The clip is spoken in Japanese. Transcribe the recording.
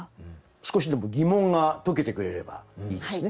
少しでも疑問が解けてくれればいいですね